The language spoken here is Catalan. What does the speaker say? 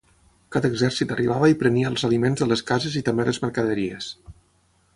Cada exèrcit arribava i prenia els aliments de les cases i també les mercaderies.